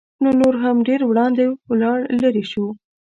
نو نور هم ډېر وړاندې ولاړ لېرې شو.